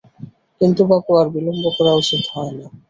কিন্তু বাপু, আর বিলম্ব করা উচিত হয় না।